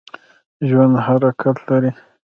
ژوندي حرکت لري